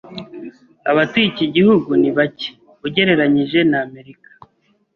Abatuye iki gihugu ni bake ugereranije n’Amerika.